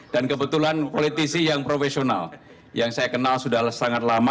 dan kebetulan politisi yang profesional yang saya kenal sudah sangat lama